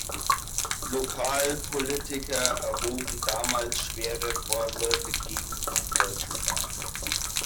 Lokalpolitiker erhoben damals schwere Vorwürfe gegen die Deutsche Bahn.